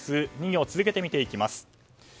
２行続けて見ていきます。